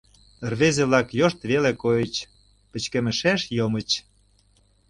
Рвезе-влак йошт веле койыч: пычкемышеш йомыч.